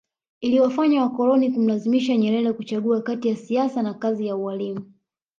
Iliwafanya wakoloni kumlazimisha Nyerere kuchagua kati ya siasa na kazi ya ualimu